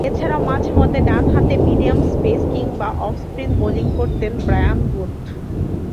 এছাড়াও মাঝে-মধ্যে ডানহাতে মিডিয়াম পেস কিংবা অফ স্পিন বোলিং করতেন ব্রায়ান বুথ।